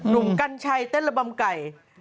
หนุ่มกัญชัยเห็นระบำไก่